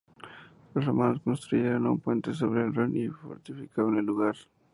Los romanos construyeron un puente sobre el Rin y fortificaron el lugar.